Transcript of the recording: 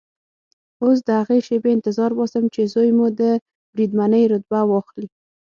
اوس د هغې شېبې انتظار باسم چې زوی مو د بریدمنۍ رتبه واخلي.